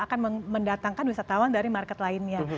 akan mendatangkan wisatawan dari market lainnya